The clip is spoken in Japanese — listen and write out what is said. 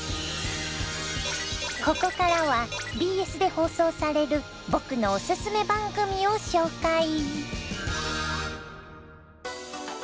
ここからはＢＳで放送される僕のオススメ番組を紹介。